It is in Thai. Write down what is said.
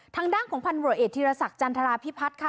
ทางด้านของพันธุรกิจธีรศักดิจันทราพิพัฒน์ค่ะ